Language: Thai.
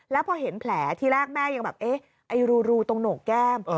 แล้วพอเห็นแผลที่แรกแม่ยังแบบเอ๊ะไอ้รูตรงโหนกแก้ม